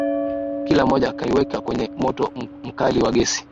Kila moja akaiweka kwenye moto mkali wa gesi.